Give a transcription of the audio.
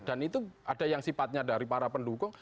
dan itu ada yang sifatnya dari para pendukung